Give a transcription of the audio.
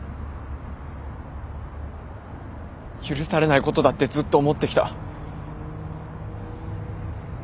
許されないことだってずっと思ってきた。